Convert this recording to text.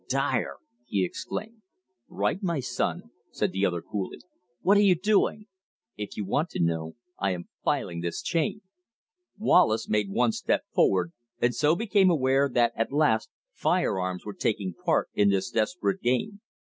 "Dyer!" he exclaimed "Right, my son," said the other coolly. "What are you doing?" "If you want to know, I am filing this chain." Wallace made one step forward and so became aware that at last firearms were taking a part in this desperate game.